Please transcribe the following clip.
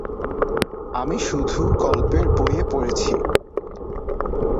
আমি শুধু গল্পের বইয়ে পড়েছি।